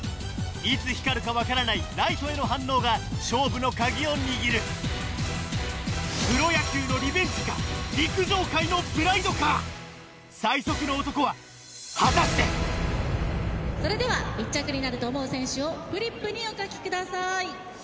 いつ光るか分からないライトへの反応が勝負のカギを握るプロ野球のリベンジか陸上界のプライドか最速の男は果たしてそれでは１着になると思う選手をフリップにお書き下さい。